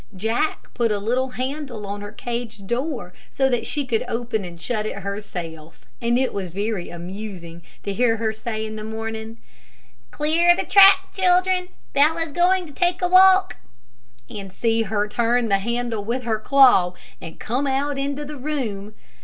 Jack put a little handle on her cage door so that she could open and shut it herself, and it was very amusing to hear her say in the morning, "Clear the track, children! Bella's going to take a walk," and see her turn the handle with her claw and come out into the room.